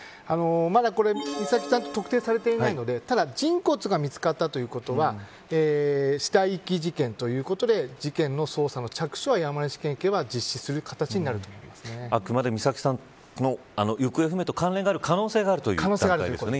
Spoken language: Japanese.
まだ、これは美咲さんと特定されていないのでただ、人骨が見つかったということは死体遺棄事件ということで事件の捜査の着手は、山梨県警はあくまで美咲さんの行方不明と関連がある可能性があるということですよね